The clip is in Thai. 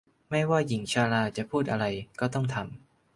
ไม่ว่าหญิงชราจะพูดอะไรก็ต้องทำ